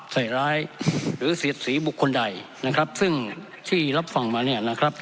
ศรียะศีรบุคคลใดนะครับซึ่งที่รับฟังมาเนี่ยนะครับ